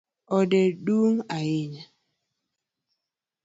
Ode dung ahinya.